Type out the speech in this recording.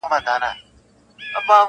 له میاشتونو له کلونو-